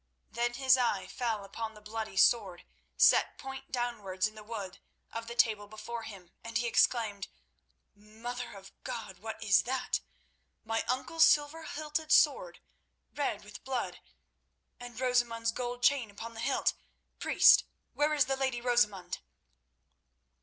Then his eye fell upon the bloody sword set point downwards in the wood of the table before him, and he exclaimed, "Mother of God! what is that? My uncle's silver hilted sword, red with blood, and Rosamund's gold chain upon the hilt! Priest, where is the lady Rosamund?"